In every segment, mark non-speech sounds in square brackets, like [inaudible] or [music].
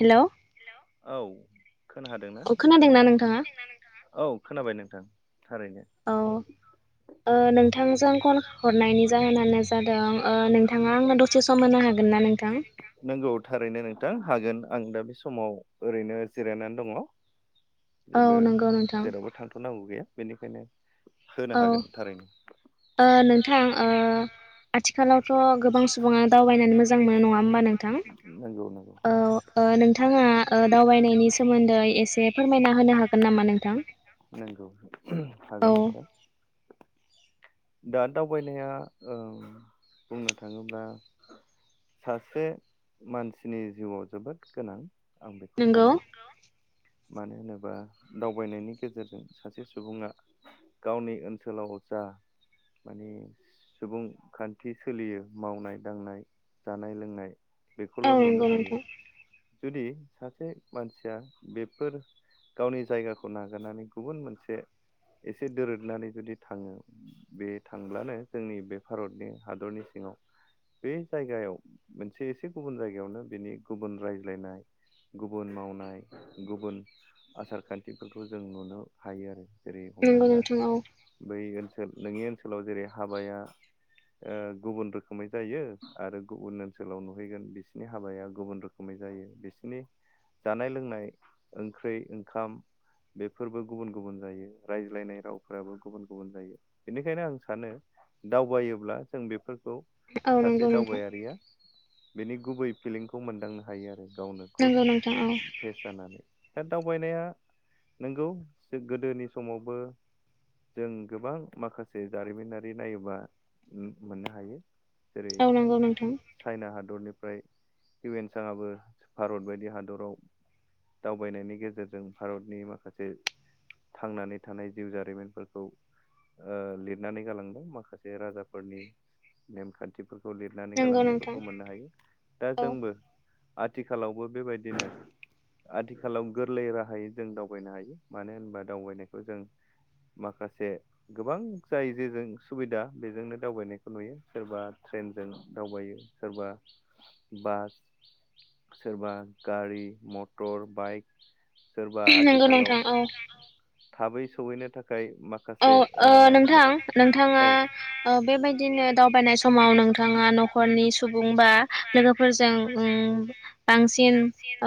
हेल' औ खोनादोंना अ नोंथाङा खोनादोंना खोनादोंना नोंथाङा औ खोनाबाय नोंथां थारैनो औ नोंथांजों फन हरनायनि जाहोनानो जादों नोंथाङा आंनो दसे सम होनो हागोन ना नोंथां नंगौ थारैनो नों थां हागोन आं दा बे समाव ओरैनो जिरायनानै दङ जेबो औ नंगौ नोंथां जेरावबो थांथ'नांगौ गैया बेनिखायनो होनो औ हागोन थारैनो ओ नोंथां ओ आथिखालावथ' गोबां सुबुङानो दावबायनानै मोजां मोनो नङा होमबा नोंथां नंगौ नंगौ औ नोंथाङा दावबायनायनि सोमोन्दै एसे फोरमायना होनो हागोन नामा नोंथां नंगौ औ हागोन नोंथां दा दावबायनाया ओ बुंनो थाङोब्ला सासे मानसिनि जिउआव जोबोद गोनां आं बेखौ सानो नंगौ मानो होनोबा दावबायनायनि गेजेरजों सासे सुबुङा गावनि ओनसोलाव जा माने सुबुं खान्थि सोलियो मावनाय दांनाय जानाय लोंनाय बेखौल औ नुनो नंगौ हायो नोंथां जुदि सासे मानसिया बेफोर गावनि जायगाखौ नागारनानै गुबुन मोनसे एसे दोरोदनानै जुदि थाङो बे थांब्लानो जोंनि बे भारतनि हादरनि सिङाव बे जायगायाव मोनसे एसे गुबुन जायगायावनो बेनि गुबुन रायज्लायनाय गुबुन मावनाय गुबुन आसार खान्थिफोरखौ जों नुनो हायो आरो। जेरै नंगौ हमनानै ला नोंथां औ बै ओनसोल नोंनि ओनसोलाव जेरै हाबाया ओ गुबुन रोखोमै जायो आरो गुबुन ओनसोलाव नुहैगोन बिसोरनि हाबाया गुबुन रोखोमै जायो बिसनि जानाय लोंनाय ओंख्रि ओंखाम बेफोरबो गुबुन गुबुन जायो रायज्लायनाय रावफोराबो गुबुन गुबुन जायो बेनिखायनो आं सानो दावबायोब्ला जों बेफोर खौ औ सासे नंगौ नोंथां दावबायारिया बेनि गुबै फिलिंखौ मोनदांनो हायो आरो। गावनो खुद नंगौ नोंथां औ फेस जानानै दा दावबायनाया नंगौ गोदोनि समावबो जों गोबां माखासे जारिमिनारि नायोबा मोननो हायो जेरै औ नंगौ नोंथां चाइना हादरनिफ्राय हुयेनसांआबो भारत बायदि हादराव दावबायनायनि गेजेरजों भारतनि माखासे थांनानै थानाय जिउ जारिमिनफोरखौ ओ लिरनानै गालांदों माखासे राजाफोरनि नेमखान्थिफोर खौ लिरनानै नंगौ नोंथां गालांनायफोरखौ मोननो हायो दा औ जोंबो आथिखालावबो बेबायदिनो आथिखालाव गोरलै राहायै जों दावबायनो हायो मानो होनबा दावबायनायखौ जों माखासे गोबां जाय जेजों सुबिदा बेजोंनो दावबायनायखौ नुयो सोरबा ट्रेनजों दावबायो सोरबा बास सोरबा गारि मटर बाइक सोरबा नंगौ आथिखालाव उम नोंथां औ नंगौ नोंथां औ थाबै सहैनो थाखाय माखासे औ ओ नोंथां नोंथाङा औ ओ बेबायदिनो दावबायनाय समाव नोंथाङा न' न'खरनि सुबुं बा लोगोफोरजों ओम बांसिन ओ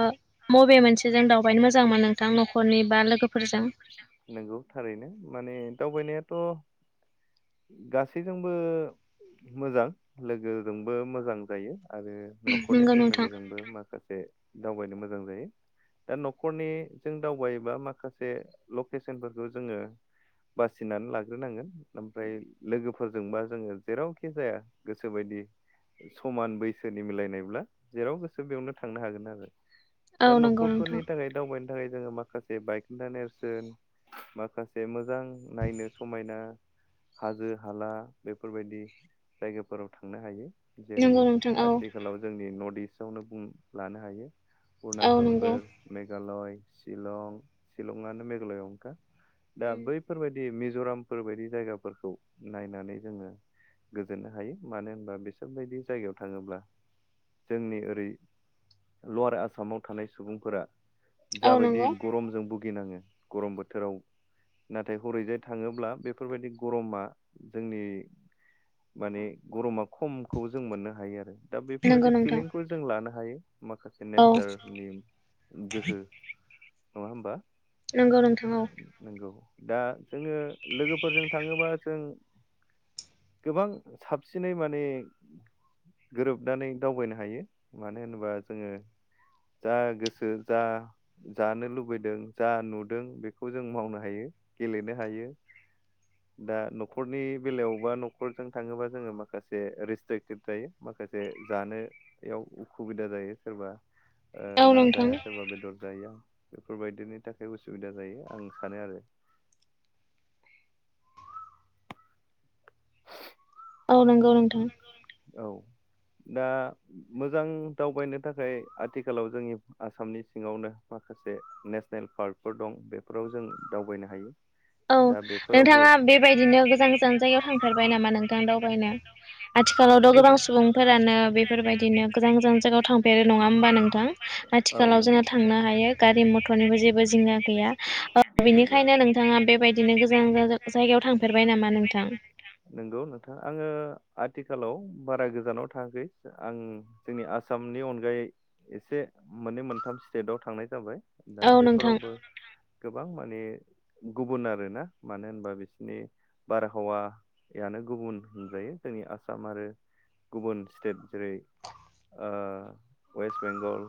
मबे मबे मोनसेजों दावबायनो मोजां मोनो नोंथां नखरजों लोगोफोरजों नंगौ थारैनो माने दावबायनायाथ' गासैजोंबो मोजां लोगोजोंबो मोजां जायो। आरो नखरनि नंगौ नोंथां फेमिलिजोंबो माखासे दावबायनो मोजां जायो। दा नखरनि जों दावबायोबा माखासे लकेसनफोरखौ जोङो बासिनानै लाग्रोनांगोन ओमफ्राय लोगोफोरजोंबा जोङो जेरावखि जाया गोसो बायदि समान बैसोनि मिलायनायब्ला जेराव गोसो बेयावनो थांनो हागोन आरो। औ दा नंगौ नोंथां नखरफोरनि थाखाय दावबायनो थाखाय जोङो माखासे बायखोन्दा नेरसोन माखासे मोजां नायनो समायना हाजो हाला बेफोरबायदि जायगाफोराव थांनो हायो। जेरै नंगौ नोंथां औ आथिखालाव जोंनि नर्थ इस्ट आवनो बुं लानो हायो। औ नंगौ अरुणचलफोर मेघालय शिलं शिलंआनो मेघालयआवनो खा दा बैफोरबायदि मिज'रामफोरबायायदि जायगाफोरखौ नायनानै जोङो गोजोननो हायो मानो होनबा बिसोरबायायदि जायगायाव थाङोब्ला जोंनि ओरै लवार आसामाव थानाय सुबुंफोरा औ जाबायदि नंगौ गरमजों भुगिनाङो गरम बोथोराव नाथाय हरैजाय थाङोब्ला बेफोरबायदि गरमा जोंनि माने गरमा खमखौ जों मोननो हायो आरो दा नंगौ बेफोरबायदि नोंथां फिलिंखौ जों लानो हायो। माखासे औ नेचारनि गोहो नङा होमबा? नंगौ नोंथां औ। नंगौ दा जोङो लोगोफोरजों थाङोबा जों गोबां साबसिनै माने गोरोबनानै दावबायनो हायो मानो होनोबा जोङो जा गोसो जा जानो लुबैदों जा नुदों बेखौ जों मावनो हायो गेलेनो हायो दा न'खरनि बेलायावबा न'खरजों थाङोबा जोङो माखासे रेस्ट्रिकटेभ थायो माखासे जानो याव उसुबिदा जायो सोरबा ओ औ ना नोंथां जाया सोरबा बेदर जायो बेफोरबायदिनि थाखाय उसुबिदा जायो आं सानो आरो औ नंगौ नोंथां औ दा मोजां दावबायनो थाखाय आथिखालाव जोंनि आ साननि सिंङावनो माखासे नेसनेल बे पार्कफोर दं बेफोराव जों दावबायनो हायो औ दा बेफोरावबो नोंथाङा बेबायदिनो गोजान गोजान जायगायाव थांफेरबाय नामा नोंथां दावबायनो आथिखालावथ' गोबां गोजो सुबुंफोरानो बेफोरबायदिनो गोजान गोजान जायगायाव थांफेरो आरो नङा होमबा नोंथां? औ आथिखालाव नंगौ जोङो थांनो हायो गारि मथरनिबो जेबो जिंगा गैया नंगौ बेनिखायनो नोंथाङा बे बेबायदिनो गोजान जा-जायगायाव थांफेरबाय नामा नोंथां? ओ आथिखालाव बारा गोजानाव थाङाखै आं जोंनि आसामनि अनगायै एसे मोननै मोनथाम स्टेटाव थांनाय जाबाय दा औ नोंथां बेफोरावबो गोबां माने गुबुन आरोना मानो होनबा बिसोरनि बारहावायानो गुबुन होनजायो जोंनि आसाम आरो गुबुन स्टेट जेरै ओ ववेस्ट बेंगल,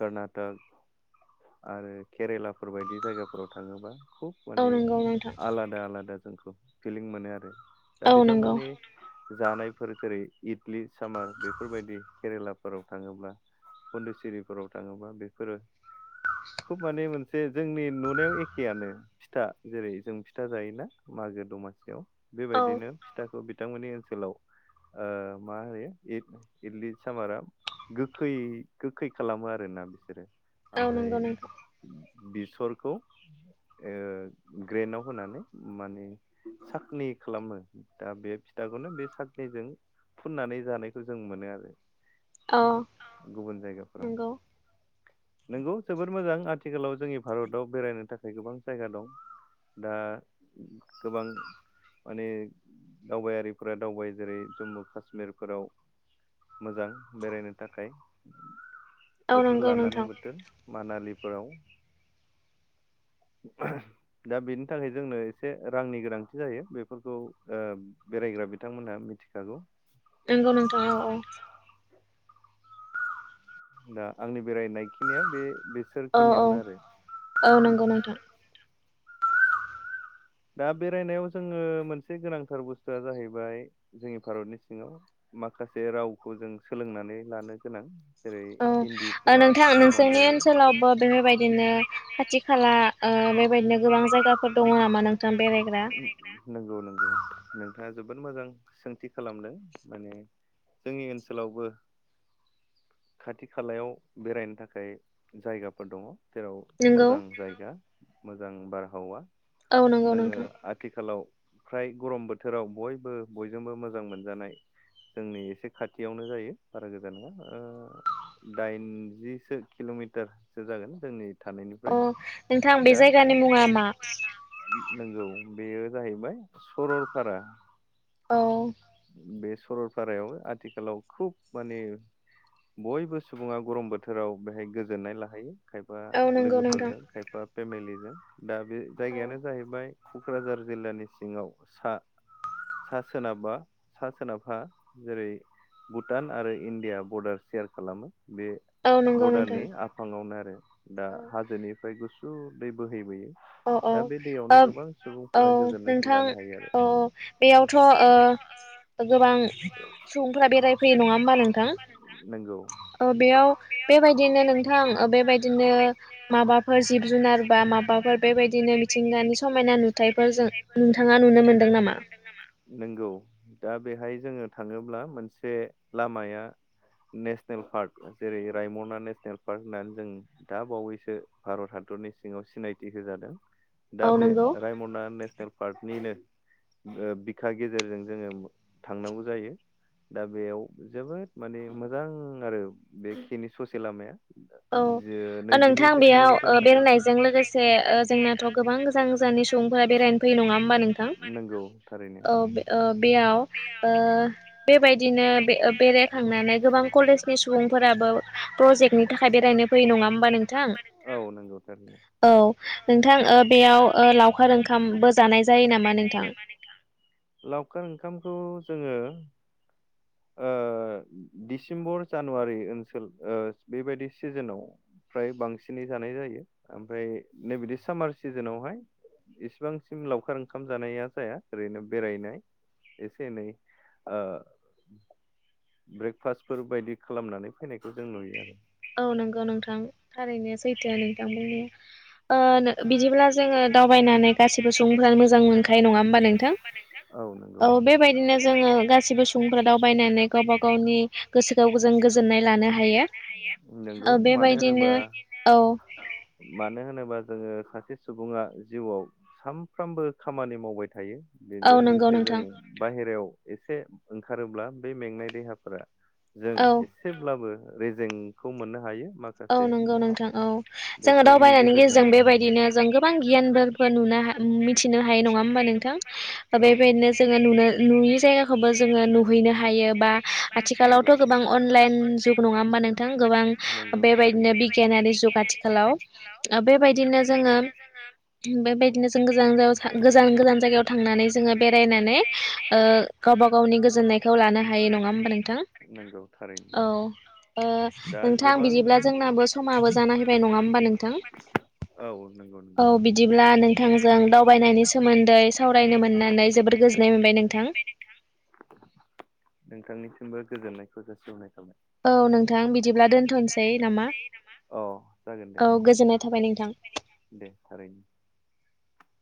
कर्नाटक, आरो केरेलाफोर बायदि जायगाफोराव थाङोबा खुब औ माने नंगौ नोंथां आलादा आलादा जोंखौ फिलिं मोनो आरो दा औ बे नंगौ बिथांमोननि जानायफोर जेरै इदलि सामार बेफोरबायदि केरेलाफोराव थाङोब्ला पन्धचिरिफोराव थाङोबा बेफोरो खुब माने मोन से जोंनि नुनायाव एखेयानो फिथा जेरै जों फिथा जायोना मागो दमासि याव औ बेबायदिनो फिथाखौ बिथांमोननि ओनसोलाव ओ मा होयो इदलि सामाराव गोखै गोखै खालामो आरोना बिसोरो औ ओमफ्राय नंगौ नोंथां बेसरखौ ओ ग्रेनाव होनानै माने साखनि खालामो दा बे फिथाखौनो बे साखैजों फुननानै जानायखौ जों मोनो आरो औ गुबुन जायगाफोराव नंगौ नंगौ जोबोद मोजां आथिखालाव जोंनि भारताव बेरायनो थाखाय गोबां जायगा दं दा गोबां माने दावबायारिफोरा दावबाय जेरै जम्मु काश्मिरफोराव मोजां बेरायनो थाखाय औ बोथोर नंगौ लानानै नोंथां मानालिफोराव [inaudible] दा बेनि थाखाय जोंनो एसे रांनि गोनांथि जायो बेफोरखौ ओ बेरा ग्रा बिथांमोनहा मिथिखागौ नंगौ नोंथां औ औ दा आंनि बेरायनाय खिनिया बे औ बिसोरखिनियावनो आरो औ औ नंगौ नोंथां दा बेरायनायाव जोङो मोनसे गोनांथार बुस्थुआ जाहैबाय जोंनि भारतनि सिङाव माखासे रावखौ जों सोलोंनानै लानो गोनां जेरै औ हिन्दीफोरा नोंथां कमन नोंसोरनि जायो ओनसोलावबो बेफोरबायदिनो खाथि खाला ओ ओ बेबायदिनो गोबां जायगाफोर दङ नामा नों नंगौ नंगौ नोंथाङा जो जोबोद मोजां सोंथि खालामदों माने जोंनि ओनसोलावबो। खाथि खालायाव बेरायनो थाखाय जायगाफोर दङ। जेराव नंगौ मोजां जायगा मोजां बारहावा। औ नंगौ जोङो नोंथां। आथिखालाव। फ्राय गरम बोथोराव बयबो बयजोंबो मोजां मोनजानाय। जोंनि एसे खाथियावनो जायो बारा गोजान नङा ओ। दाइनजिसो किल'मिटारसो जागोन जोंनि। थानायनिफ्राय अ नोंथां बे दा जायगानि मुङा मा? नंगौ बेयो जाहैबाय सरलपारा। औ। बे सरलपारायाव आथिखालाव खुब माने। बयबो सुबुङा गरम बोथोराव बेहाय गोजोननाय लाहैयो। खायफा औ नंगौ नोंथां। लोगोफोरजों खायफा फेमिलिजों दा बे जायगायानो जाहैबाय। क'क्राझार जिल्लानि सिङाव सा सा सोनाबहा। सा सोनाबहा जेरै भुटान आरो इण्डिया बर्डार सेयार खालामो। बे औ नंगौ नोंथां बरडारनि आफाङावनो आरो दा औ हाजोनिफ्राय गुसु। जु' दै बोहैबोयो। औ दा बे दैयावनो गोबां औ-औ सुबुंफोरा गोजोननायखौ नोंथां लानो हायो आरो औ औ बेयावथ' ओ। गोबां सुबुंफोरा बेरायफैयो नङा हबा नोंथां? नंगौ ओ बेयाव। बेबायदिनो नोंथां बेबायदिनो माबाफोर जिब जुनार बा माबाफोर। माबाफोर बेबायदिनो मिथिंगानि समायना बिथिंग समायना नुथायफोरजों नुथायफोर जों नोंथाङा नुनो नोंथाङा मोनदों नुनो नामा? मोनदों नामा नोंगौ। दा बेहाय जोङो थाङोब्ला मोनसे लामाया नेसनेल पार्क। जेरै रायमना नेसनेल पार्क होननानै जों दा बावैसो भारत हादरनि सिङाव सिनायथि होजादों। दा औ बे नंगौ रायमना नेसनेल पार्कनिनो। बिखा गेजेरजों जोङो थांनांगौ जायो। दा बेयाव जोबोद माने मोजां आरो बेखिनि ससे लामाया। जो औ नोंथां नैजिनैसो बेयाव ओ किल'मिटार जागोन बेरायनायजों लोगोसे ओ जोंनाथ' गोबां गोजां जा। सुबुंफोरा बेरायनो फैयो नङा होम्बा नोंथां नंगौ थारैनो ओ ओ बेयाव ओ। बेबायदिनो बे बेरायखांनानै गोबां कलेजनि सुबुंफोराबो प्रजेक्टनि। थाखाय प्रजेकनि बेरायनो फैयो थाखायनो बेरायनो होमबा फैयो नङा नोंथां? होनबा नोंथां औ नंगौ थारैनो। औ नोंथां बेयाव लावखार ओंखामबो जानाय जायो नामा नोंथां? लावखार ओंखामखौ जोङो ओ दिडिसेम्बर। जानुवारि ओनसोल बेबायदि सिजोनाव फ्राय बांसिनै जानाय जायो ओमफ्राय। नैबदि सामार भिकिसनावहाय। इसिबांसिम लावखार ओंखाम जानाया जाया ओरैनो बेरायनाय। एसे एनै ओ ब्रेकफास्टफोर बायदि। खालामनानै फैनायखौ जों नुयो आरो। औ नंगौ नोंथां थारैनो सैथो नोंथां बुंनाया। ओ नों। बिदिब्ला जोङो दावबायनानै गासैबो सुबुंफ्रानो मोजां मोनखायो नङा होमबा नोंथां औ? बेबायदिनो जोङो गासिबो सुबुंफ्रा दावबायनानै गावबा गावनि गोसोखौ जों गोजोननाय लानो हायो। गोजोननाय लानो हायो नंगौ ओ मानो होनोबा बेबायदिनो मानो औ बेबादिनो औ मानो होनोबा जोङो। सासे सुबुङा जिउआव सानफ्रामबो खामानि मावबाय थायो। औ बेजों नंगौ लोगोसे नोंथां जोङो बाहेरायाव एसे ओंखारोब्ला बे मेंनाय देहाफोरा। जों औ एसेब्लाबो रेजेंखौ मोननो हायो। औ माखासे नंगौ नोंथां औ जोङो बेफोरनि दावबायनायनि गेजेरजों आरो बेबायदिनो। जों गोबां गियान नुनो मिथिनो हायो नङा होम्बा नोंथां? औ बेबायदिनो जोङो नुनो। नुयि जायगाखौबो जोङो नुहैनो हायो बा नंगौ आथिखालावथ' गोबां अनलाइन जुग नङाहोमबा? नोंथां गोबां नंगौ थारैनो बेबायदिनो बिगियानारि जुग आथिखालाव ओ बेबायदिनो बेबायदिनो जोङो। दि बेबायदिनो जों गोजान जायगायाव सा गोजान गोजान जायगायाव थांनानै जोङो बेरायनानै ओ गावब गावबा गावनि गोजोननायखौ लानो हायो नङा होमबा नोंथां? नंगौ थारैनो औ ओ दा नोंथां गोबां बिदिब्ला औ जोंनाबो समाबो जाना फैबाय नङा होमबा नोंथां? नंगौ औ नंगौ बिदिब्ला नोंथांजों दावबायनायनि सोमोन्दै सावरायनो मोननानै जोबोर गोजोननाय मोनबाय नोंथां। नोंथांनिसिमबो गोजोननायखौ जासिहरबाय। औ नोंथां बिदिब्ला दोनथ'नोसै नामा औ गोजोननाय थाब गोजोननाय थाबाय नोंथां दे थारैनो।